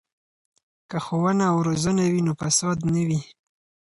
که ښوونه او روزنه وي نو فساد نه وي.